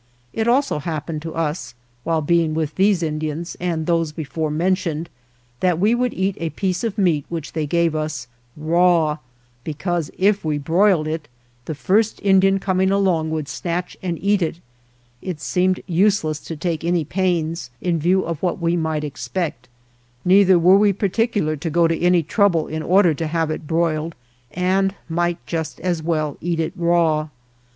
It also happened to us, while being with these Indians and those before mentioned, that we would eat a piece of meat which they gave us, raw, be cause if we broiled it the first Indian coming along would snatch and eat it; it seemed useless to take any pains, in view of what we might expect ; neither were we particular to go to any trouble in order to have it broil ed and might just as well eat it raw.